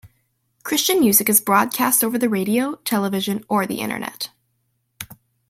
Christian music is broadcast over the radio, television, or the Internet.